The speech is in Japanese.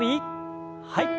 はい。